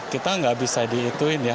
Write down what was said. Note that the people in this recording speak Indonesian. kita enggak bisa diituin ya